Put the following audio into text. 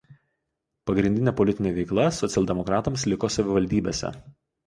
Pagrindinė politinė veikla socialdemokratams liko savivaldybėse.